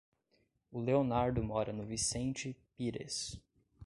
O Leonardo mora no Vicente Pires.